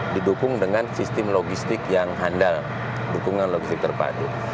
didukung dengan sistem logistik yang handal dukungan logistik terpadu